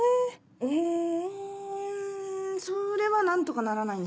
えそれは何とかならないんですか？